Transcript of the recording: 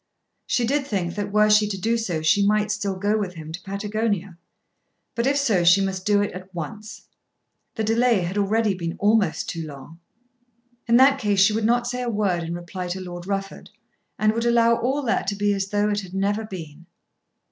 She did think that were she to do so she might still go with him to Patagonia. But, if so, she must do it at once. The delay had already been almost too long. In that case she would not say a word in reply to Lord Rufford, and would allow all that to be as though it had never been.